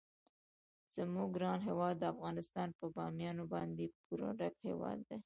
زموږ ګران هیواد افغانستان په بامیان باندې پوره ډک هیواد دی.